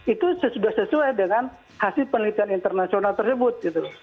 itu sudah sesuai dengan hasil penelitian internasional tersebut